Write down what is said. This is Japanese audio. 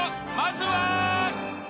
まずは］